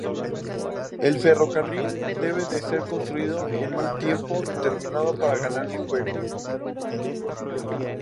El ferrocarril debe ser construido en un tiempo determinado para ganar el juego.